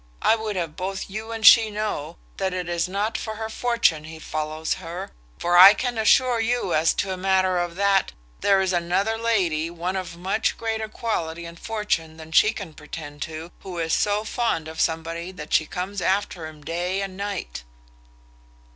I would have both you and she know, that it is not for her fortune he follows her; for I can assure you, as to matter of that, there is another lady, one of much greater quality and fortune than she can pretend to, who is so fond of somebody that she comes after him day and night."